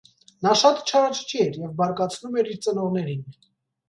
Նա շատ չարաճճի էր և բարկացնում էր իր ծնողներին։